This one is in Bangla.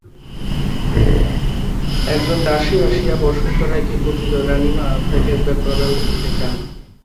একজন দাসী আসিয়া বসন্ত রায়কে কহিল, রানীমা আপনাকে একবার প্রণাম করিতে চান।